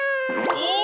お！